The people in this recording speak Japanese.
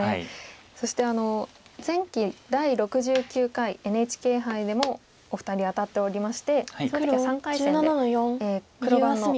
そして前期第６９回ＮＨＫ杯でもお二人当たっておりましてその時は３回戦で黒番の。